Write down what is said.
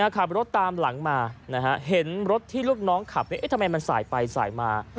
ขับรถตามหลังมาเห็นรถที่ลูกน้องขับทำไมมันสายไปสายมา